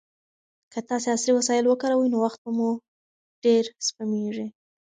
که تاسي عصري وسایل وکاروئ نو وخت مو ډېر سپمېږي.